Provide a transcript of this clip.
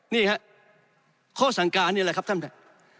นี่ครับข้อสั่งการนี่แหละครับท่านประธาน